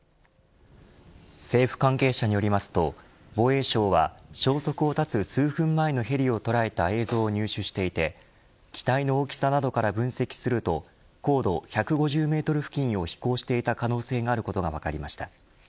政府関係者によりますと防衛省は消息を絶つ数分前のヘリを捉えた映像を入手していて機体の大きさなどから分析すると高度１５０メートル付近を飛行していた可能性があることが分かりました。